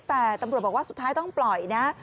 แต่ตำรวจบอกว่าสุดท้ายต้องปล่อยนะ